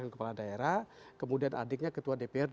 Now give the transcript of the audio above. kepala daerah kemudian adiknya ketua dprd